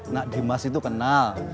nak dimas itu kenal